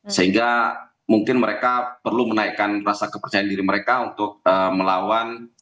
sehingga mungkin mereka perlu menaikkan rasa kepercayaan diri mereka untuk melawan